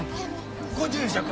ご住職